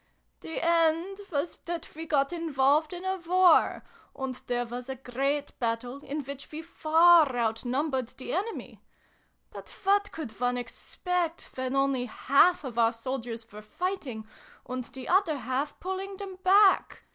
" the end was that we got in volved in a war ; and there was a great battle, in which we far out numbered the enemy. But what could one expect, when only half of our soldiers were fighting, and the other half pulling them back